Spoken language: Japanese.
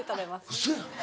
ウソやん。